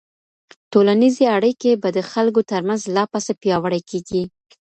ټولنيزې اړيکې به د خلګو ترمنځ لا پسې پياوړي کيږي.